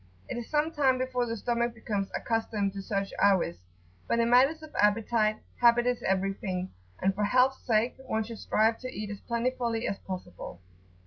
It is some time before the stomach becomes accustomed to such hours, but in matters of appetite, habit is everything, and for health's sake one should strive to eat as plentifully as possible.